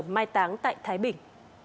mai táng tại thái bình